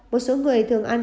một số người thường ăn